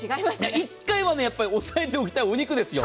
１回は押さえておきたいお肉ですよ。